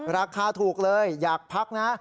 ราคาถูกเลยอยากพักนะ